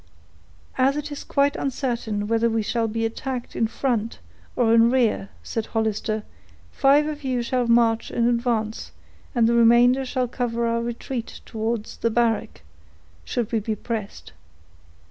"As it is quite uncertain whether we shall be attacked in front, or in rear," said Hollister, "five of you shall march in advance, and the remainder shall cover our retreat towards the barrack, should we be pressed.